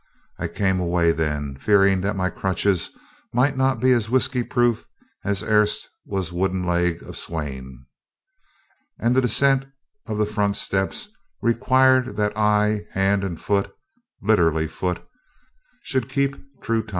I came away then, fearing that my crutches might not be as whiskey proof as erst was wooden leg of Sawin, and the descent of the front steps requiring that eye, hand, and foot (literally, foot) should keep true time.